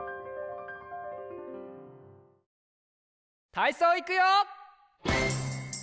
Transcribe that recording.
たいそういくよ！